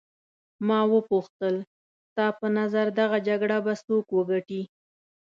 ما وپوښتل ستا په نظر دغه جګړه به څوک وګټي.